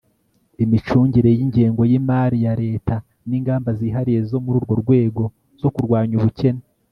imicungire y'ingengo y'imali ya leta n'ingamba zihariye zo muri urwo rwego zo kurwanya ubukene